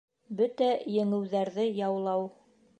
Бөтә еңеүҙәрҙе яулау